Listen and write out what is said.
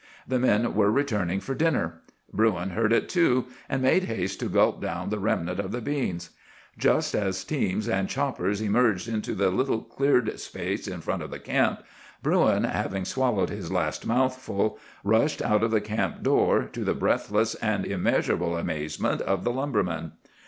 The men were returning for dinner. Bruin heard it too, and made haste to gulp down the remnant of the beans. Just as teams and choppers emerged into the little cleared space in front of the camp, Bruin, having swallowed his last mouthful, rushed out of the camp door, to the breathless and immeasurable amazement of the lumbermen.